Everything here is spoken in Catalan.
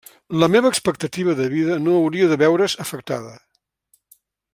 La meva expectativa de vida no hauria de veure's afectada.